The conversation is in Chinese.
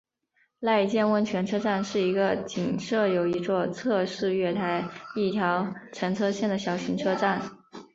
濑见温泉车站是一个仅设有一座侧式月台一条乘车线的小型车站。